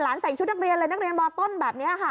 ใส่ชุดนักเรียนเลยนักเรียนมต้นแบบนี้ค่ะ